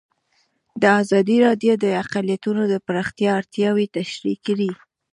ازادي راډیو د اقلیتونه د پراختیا اړتیاوې تشریح کړي.